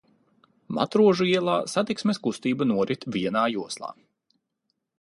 Matrožu ielā satiksmes kustība norit vienā joslā.